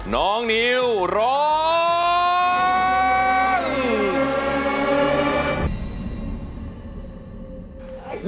น้องนิวร้อง